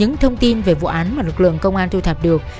những thông tin về vụ án mà lực lượng công an thu thập được